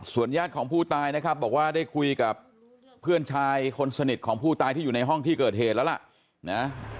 ญาติของผู้ตายนะครับบอกว่าได้คุยกับเพื่อนชายคนสนิทของผู้ตายที่อยู่ในห้องที่เกิดเหตุแล้วล่ะนะ